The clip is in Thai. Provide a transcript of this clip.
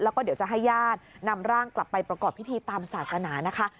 แล้วก็เดี๋ยวจะให้ญาตินำร่างกลับไปประกอบพิธีตามศาสนานะคะ